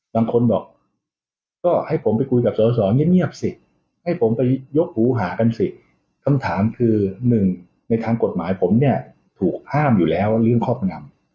บางคนบอกก็ให้ผมไปคุยกับสอสอเงียบสิให้ผมไปยกหูหากันสิคำถามคือหนึ่งในทางกฎหมายผมเนี่ยถูกห้ามอยู่แล้วเรื่องครอบงำ